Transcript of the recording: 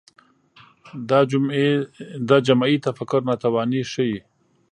دا جمعي تفکر ناتواني ښيي